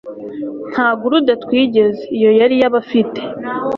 Nta gourde twigeze, iyo yari iy'abifite